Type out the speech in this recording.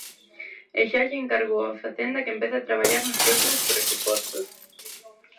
E xa lle encargou a Facenda que empece a traballar nos próximos presupostos.